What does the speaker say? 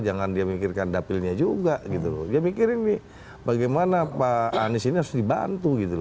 jangan dia mikirkan dapilnya juga gitu loh dia mikirin nih bagaimana pak anies ini harus dibantu gitu loh